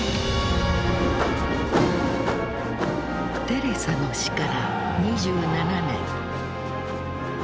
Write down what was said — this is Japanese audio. テレサの死から２７年。